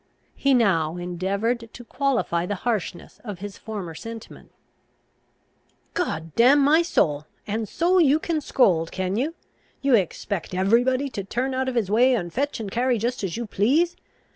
He now endeavoured to qualify the harshness of his former sentiments. "God damn my soul! And so you can scold, can you? You expect every body to turn out of his way, and fetch and carry, just as you please?